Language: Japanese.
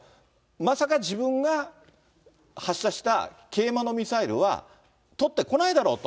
まさか自分が発射した桂馬のミサイルは取ってこないだろうと。